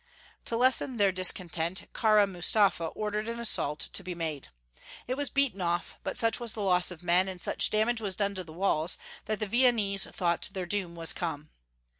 To lessen their discontent, Kara Mustafa ordered an assault to be made. It was beaten off, but such was the loss of men, and such damage was done to the walls, that the Viennese thought their doom was come.